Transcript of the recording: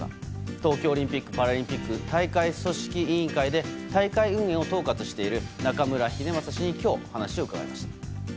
東京オリンピック・パラリンピック組織委員会で大会運営を統括している中村英正氏に今日、話を伺いました。